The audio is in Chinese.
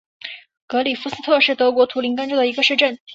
格里夫斯特是德国图林根州的一个市镇。